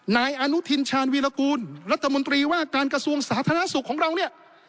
นายอนุทินชาญวีรกูลรัฐมนตรีว่าการกระทรวงสาธารณสุขของเราเนี่ย